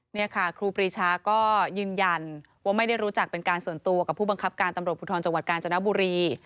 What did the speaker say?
นี่ค่ะครูปรีชาก็ยืนยันว่าไม่ได้รู้จักเป็นการส่วนตัวกับผู้บังคับการตำรวจภูทรจังหวัดกาญจนบุรี